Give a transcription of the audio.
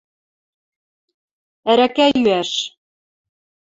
Ӓрӓкӓ йӱӓш!